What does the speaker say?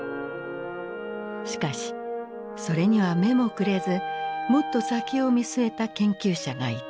しかしそれには目もくれずもっと先を見据えた研究者がいた。